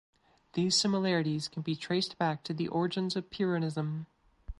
These similarities can be traced back to the origins of Pyrrhonism.